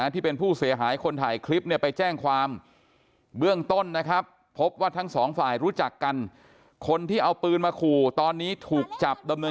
ที่เป็นผู้เสียหายคนถ่ายคลิปเนี่ยไปแจ้งความเบื้องต้นนะครับ